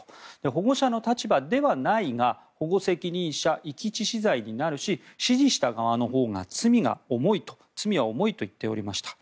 保護者の立場ではないが保護責任者遺棄致死罪になるし指示した側のほうが罪は重いと言っておりました。